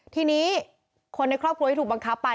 ทีนี้คนในครอบครัวที่ถูกบังคับไป